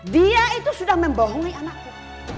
dia itu sudah membohongi anakku